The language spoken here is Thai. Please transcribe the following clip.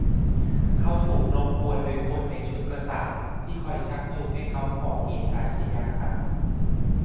เขาถูกรบกวนโดยคนในชุดกระต่ายที่คอยชักจูงให้เขาก่อเหตุอาชญากรรม